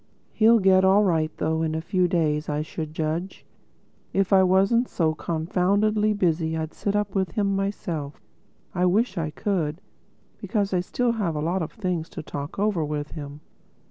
He'll get all right though—in a few days I should judge. If I wasn't so confoundedly busy I'd sit up with him myself. I wish I could, because I still have a lot of things to talk over with him."